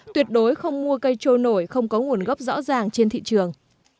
tuyệt đối không mua cây trôi nổi không có nguồn gốc rõ ràng trên thị trường